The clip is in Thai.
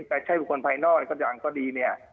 กลับใช้บุคคลภายนอกแล้วก็ดี